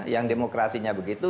yang demokrasinya begitu